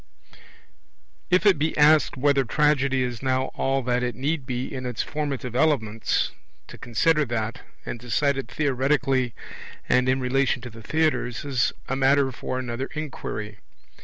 If it be asked whether Tragedy is now all that it need be in its formative elements, to consider that, and decide it theoretically and in relation to the theatres, is a matter for another inquiry.